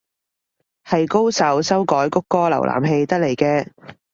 係高手修改谷歌瀏覽器得嚟嘅